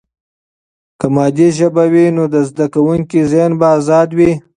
که مادي ژبه وي، نو د زده کوونکي ذهن به آزاد وي.